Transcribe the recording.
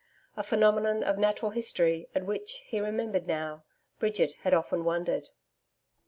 A phenomenon of natural history at which, he remembered now, Bridget had often wondered.